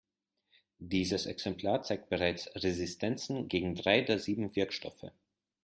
Dieses Exemplar zeigt bereits Resistenzen gegen drei der sieben Wirkstoffe.